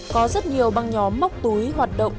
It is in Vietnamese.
có rất nhiều băng nhóm móc túi hoạt động